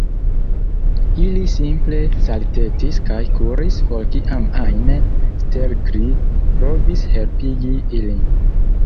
Ili simple saltetis kaj kuris for kiam ajn Stelkri provis helpigi ilin.